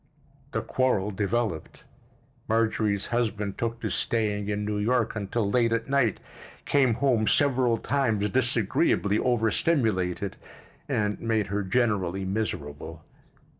The quarrel developed. Marjorie's husband took to staying in New York until late at night, came home several times disagreeably overstimulated, and made her generally miserable.